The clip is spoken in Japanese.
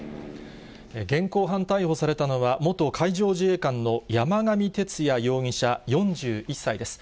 現行犯逮捕されたのは、元海上自衛官の山上徹也容疑者４１歳です。